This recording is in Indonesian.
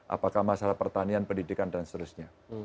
apakah masalah pertanian pendidikan dan seterusnya